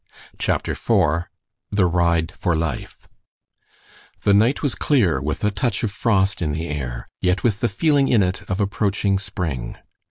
CHAPTER IV THE RIDE FOR LIFE The night was clear, with a touch of frost in the air, yet with the feeling in it of approaching spring.